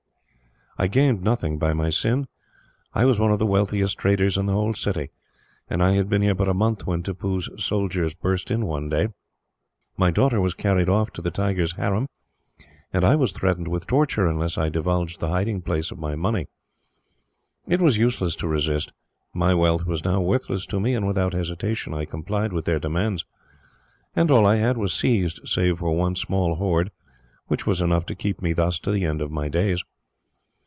"I gained nothing by my sin. I was one of the wealthiest traders in the whole city, and I had been here but a month when Tippoo's soldiers burst in one day. My daughter was carried off to the Tiger's harem, and I was threatened with torture, unless I divulged the hiding place of my money. "It was useless to resist. My wealth was now worthless to me, and without hesitation I complied with their demands; and all I had was seized, save one small hoard, which was enough to keep me thus to the end of my days.